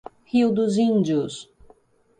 Rio dos Índios